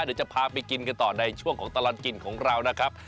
เดี๋ยวจะพาไปกินกันต่อในช่วงของตลอดกินของเรานะครับ